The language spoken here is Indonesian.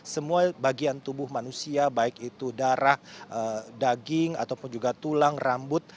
semua bagian tubuh manusia baik itu darah daging ataupun juga tulang rambut